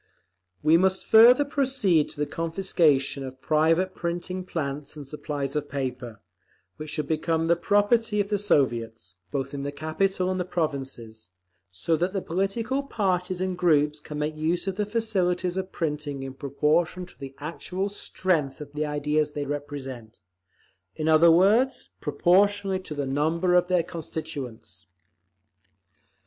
We must further proceed to the confiscation of private printing plants and supplies of paper, which should become the property of the Soviets, both in the capital and in the provinces, so that the political parties and groups can make use of the facilities of printing in proportion to the actual strength of the ideas they represent—in other words, proportionally to the number of their constituents.